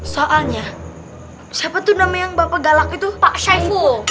soalnya siapa tuh nama yang bapak galak itu pak syaiful